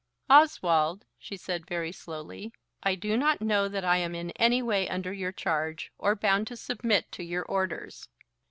"Oswald," she said very slowly, "I do not know that I am in any way under your charge, or bound to submit to your orders."